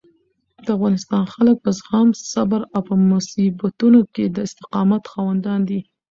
د افغانستان خلک په زغم، صبر او په مصیبتونو کې د استقامت خاوندان دي.